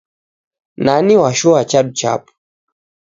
Nani washoa chadu chapo?